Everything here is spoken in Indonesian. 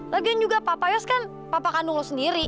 lagian juga papa yos kan papa kandung lo sendiri